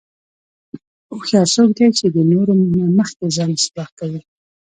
هوښیار څوک دی چې د نورو نه مخکې ځان اصلاح کوي.